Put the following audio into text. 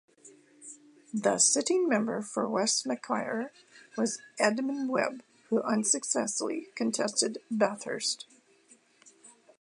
The sitting member for West Macquarie was Edmund Webb who unsuccessfully contested Bathurst.